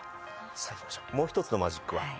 もう一つのマジックは。